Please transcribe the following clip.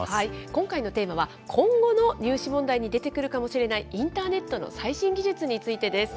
今回のテーマは、今後の入試問題に出てくるかもしれない、インターネットの最新技術についてです。